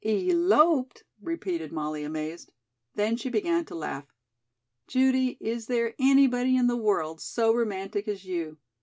"Eloped!" repeated Molly, amazed. Then she began to laugh. "Judy, is there anybody in the world so romantic as you?